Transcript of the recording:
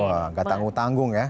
wah nggak tanggung tanggung ya